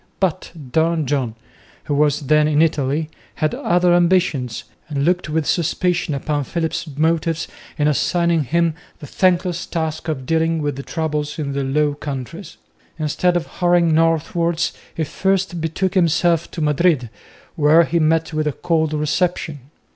But Don John, who was then in Italy, had other ambitions, and looked with suspicion upon Philip's motives in assigning him the thankless task of dealing with the troubles in the Low Countries. Instead of hurrying northwards, he first betook himself to Madrid where he met with a cold reception.